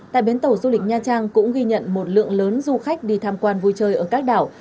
tại bến tàu du lịch nha trang cũng ghi nhận một lượng lớn du khách đi tham quan vui chơi ở các đảo